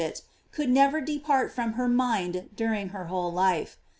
573 to St. Bridget, could never depart from her mind during her whole life.